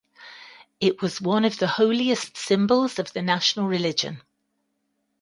It was one of the holiest symbols of the national religion.